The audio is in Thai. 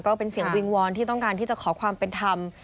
ก็เป็นเสียงวิงวอนที่ต้องการที่จะขอความเป็นธรรม